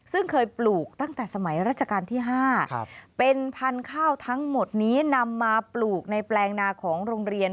ซึ่งเคยปลูกตั้งแต่สมัยราชการที่๕เป็นพันธุ์ข้าวทั้งหมดนี้นำมาปลูกในแปลงนาของโรงเรียน